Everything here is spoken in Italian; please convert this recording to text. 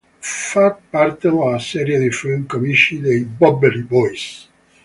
Fa parte della serie di film comici dei Bowery Boys.